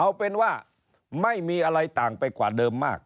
เอาเป็นว่าไม่มีอะไรต่างไปกว่าเดิมมาก